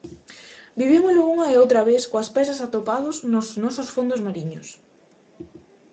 Vivímolo unha e outra vez coas pezas atopados nos nosos fondos mariños.